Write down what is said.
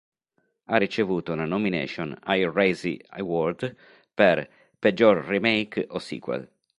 Ha ricevuto una nomination ai Razzie Award per "Peggior Remake o Sequel".